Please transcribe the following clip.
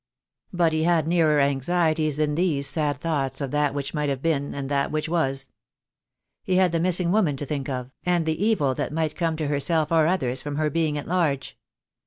But he had nearer anxieties than these sad thoughts of that which might have been and that which was. He had the missing woman to think of, and the evil that might come to herself or others from her being at large.